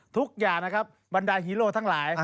ทุกอย่างนะครับบรรดาฮีโร่ทั้งหลาย